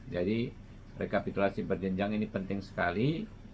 jadi rekapitulasi berjenjang ini penting sekali